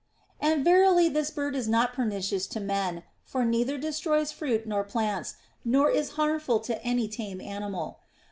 And verily this bird is not pernicious to men, for it neither destroys fruits nor plants, nor is hurtful to any tame animal.